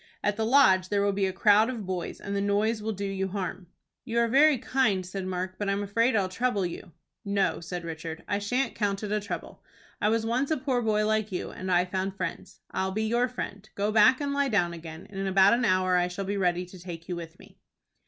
At the Lodge there will be a crowd of boys, and the noise will do you harm." "You are very kind," said Mark; "but I'm afraid I'll trouble you." "No," said Richard, "I shan't count it a trouble. I was once a poor boy like you, and I found friends. I'll be your friend. Go back and lie down again, and in about an hour I shall be ready to take you with me."